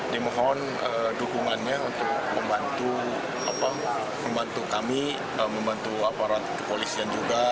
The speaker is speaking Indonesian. dimohon dukungannya untuk membantu kami membantu aparat kepolisian juga